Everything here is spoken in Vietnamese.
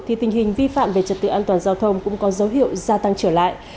thì tình hình vi phạm về trật tự an toàn giao thông cũng có dấu hiệu gia tăng trở lại